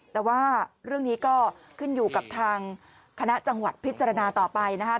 แต่ว่าเรื่องนี้ก็ขึ้นอยู่กับทางคณะจังหวัดพิจารณาต่อไปนะคะ